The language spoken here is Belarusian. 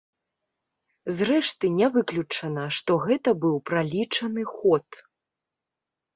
Зрэшты, не выключана, што гэта быў пралічаны ход.